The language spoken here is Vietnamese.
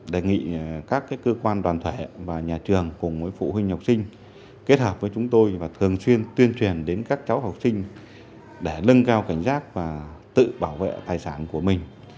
đề nghị các cơ quan đoàn thể và nhà trường cùng với phụ huynh học sinh kết hợp với chúng tôi và thường xuyên tuyên truyền đến các cháu học sinh để lân cao cảnh giác và tự bảo vệ tài sản của mình